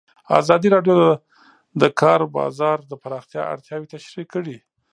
ازادي راډیو د د کار بازار د پراختیا اړتیاوې تشریح کړي.